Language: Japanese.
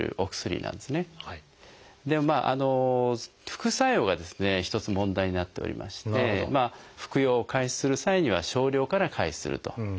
副作用がですね一つ問題になっておりまして服用を開始する際には少量から開始するということが大事。